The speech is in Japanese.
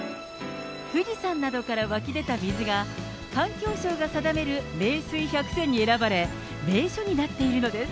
富士山などから湧き出た水が、環境省が定める名水１００選に選ばれ、名所になっているのです。